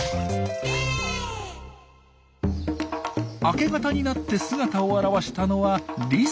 明け方になって姿を現したのはリスです。